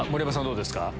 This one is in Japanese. どうですか？